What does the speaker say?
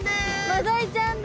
マダイちゃんだ！